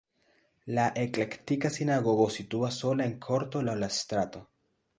La eklektika sinagogo situas sola en korto laŭ la strato.